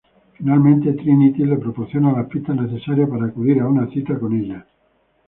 Finalmente, Trinity le proporcionará las pistas necesarias para acudir a una cita con ella.